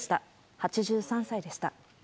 ８３歳でした。